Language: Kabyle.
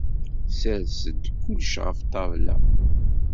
Sers-d kullec ɣef ṭṭabla!